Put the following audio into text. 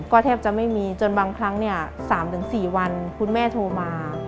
ก็แทบจะไม่มีจนบางครั้ง๓๔วันคุณแม่โทรมา